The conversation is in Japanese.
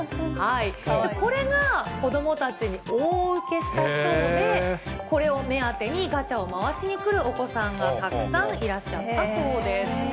これが子どもたちに大受けしたそうで、これを目当てにガチャを回しに来るお子さんがたくさんいらっしゃったそうです。